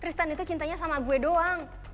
kristen itu cintanya sama gue doang